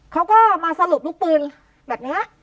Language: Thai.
เขาก็มาสรุปลูกปืนแบบนี้